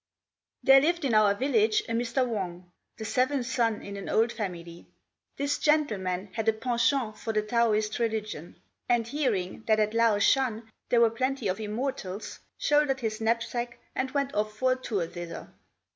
There lived in our village a Mr. Wang, the seventh son in an old family. This gentleman had a penchant for the Taoist religion; and hearing that at Lao shan there were plenty of Immortals, shouldered his knapsack and went off for a tour thither.